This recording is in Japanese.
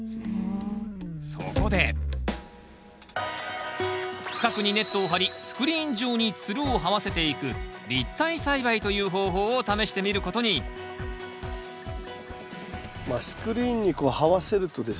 そこで区画にネットを張りスクリーン上につるをはわせていく立体栽培という方法を試してみることにスクリーンにこうはわせるとですね